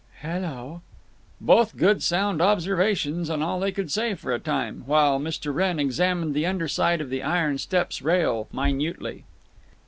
"Hello." Both good sound observations, and all they could say for a time, while Mr. Wrenn examined the under side of the iron steps rail minutely.